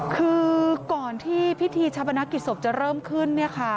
คือก่อนที่พิธีชาปนกิจศพจะเริ่มขึ้น